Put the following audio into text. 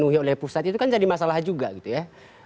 dipenuhi oleh pusat itu kan jadi masalah juga gitu ya